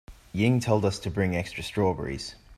Ying told us to bring extra strawberries.